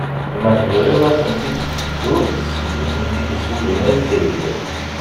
Ma tebɣiḍ ad tent-id-tsedduḍ seddu-tent-id s wudem arusrid.